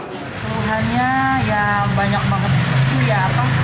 perluannya ya banyak banget itu ya